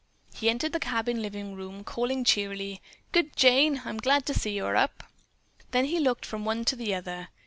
He entered the cabin living room calling cheerily, "Good, Jane, I'm glad to see you are up." Then he looked from one to the other.